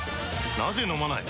なぜ飲まない？